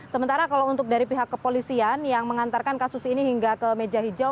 sementara kalau untuk dari pihak kepolisian yang mengantarkan kasus ini hingga ke meja hijau